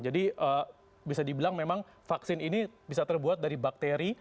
jadi bisa dibilang memang vaksin ini bisa terbuat dari bakteri